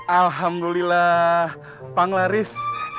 alhamdulillah pang laris